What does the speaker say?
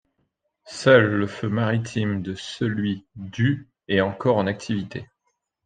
Seul le feu maritime de celui du est encore en activité.